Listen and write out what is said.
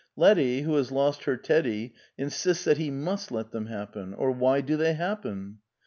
" Letty," who has lost her " Teddy,'' insists that he mvst let them happen. " Or why do they happen